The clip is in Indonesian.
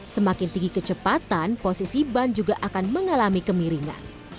semakin tinggi kecepatan posisi ban juga akan mengalami kemiringan